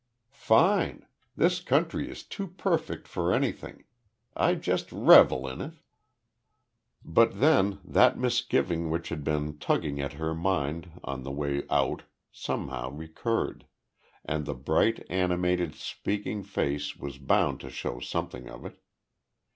"Fine. This country is too perfect for anything. I just revel in it." But then, that misgiving which had been tugging at her mind on the way out somehow recurred, and the bright, animated, speaking face was bound to show something of it.